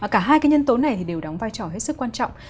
cả hai cái nhân tố này thì đều đóng vai trò hết sức quan trọng